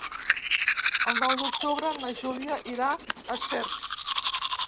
El nou d'octubre na Júlia irà a Cercs.